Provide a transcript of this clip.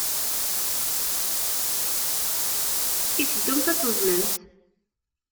I teddumt ad teẓẓlemt?